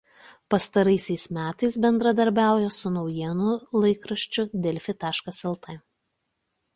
Pastaraisiais metais bendradarbiauja su naujienų laikraščiu Delfi.lt.